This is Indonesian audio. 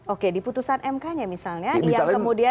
oke di putusan mk nya misalnya